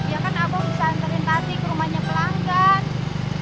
ya kan abang bisa anterin tati ke rumahnya pelanggan